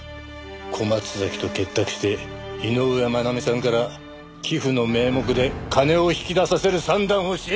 小松崎と結託して井上真奈美さんから寄付の名目で金を引き出させる算段をしていたんじゃないですか！？